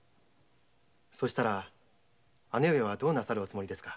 そうしたら姉上はどうなさるおつもりですか？